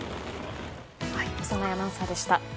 小山内アナウンサーでした。